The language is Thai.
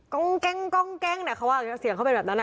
ก้องแก้งก้องแก้งเขาว่าเสียงเขาเป็นแบบนั้น